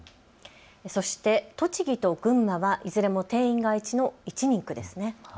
そして栃木と群馬はいずれも定員が１の１人区です。